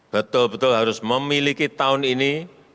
betul betul harus memiliki tahun ini